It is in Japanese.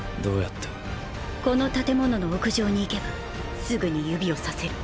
この建物の屋上に行けばすぐに指を差せる。